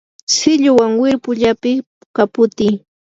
silluwan wirpu llapiy, kaputiy